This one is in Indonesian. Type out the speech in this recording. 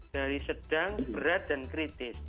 dari sedang berat dan kritis